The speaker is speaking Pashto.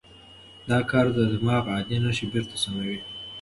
دا کار د دماغ عادي نښې بېرته سموي.